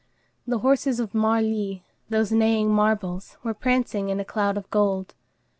The horses of Marly, those neighing marbles, were prancing in a cloud of gold.